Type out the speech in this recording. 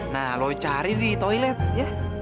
nah lo cari nih toilet ya